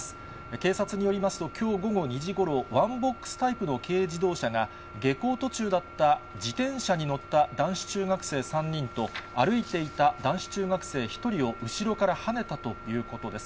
警察によりますときょう午後２時ごろ、ワンボックスタイプの軽自動車が、下校途中だった自転車に乗った男子中学生３人と、歩いていた男子中学生１人を後ろからはねたということです。